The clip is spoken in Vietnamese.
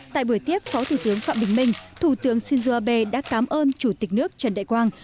tại buổi tiếp phó thủ tướng phạm bình minh thủ tướng shinzo abe đã cảm ơn chủ tịch nước trần đại quang